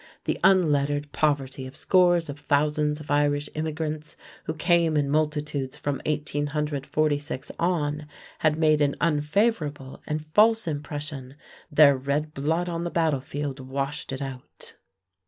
The unlettered poverty of scores of thousands of Irish immigrants, who came in multitudes from 1846 on, had made an unfavorable and false impression; their red blood on the battle field washed it out.